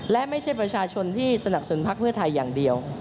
และไม่ใช่ประชาชนที่สนับสนพักเพื่อไทยอย่างเดียว